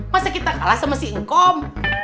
masa kita kalah sama si ngkom